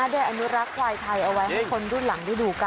ได้อนุรักษณ์ขวายไทยเอาไว้ให้คนนุริมร่างดูดูก